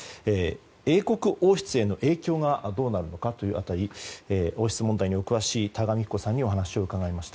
英国王室への影響がどうなるのかという辺り王室問題にお詳しい多賀幹子さんに伺いました。